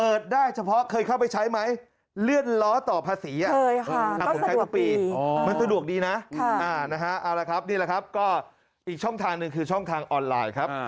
อีกช่องทางหนึ่งคือช่องทางออนไลน์ครับ